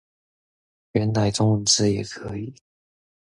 原來中文字也可以